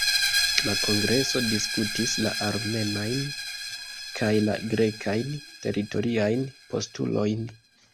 La kongreso diskutis la armenajn kaj la grekajn teritoriajn postulojn.